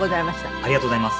ありがとうございます。